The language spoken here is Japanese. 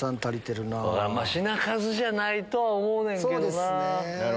品数じゃないとは思うねんけどな。